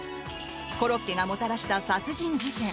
コロッケがもたらした殺人事件。